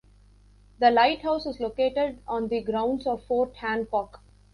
The lighthouse is located on the grounds of Fort Hancock.